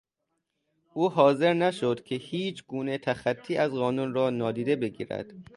او حاضر نشد که هیچگونه تخطی از قانون را نادیده بگیرد.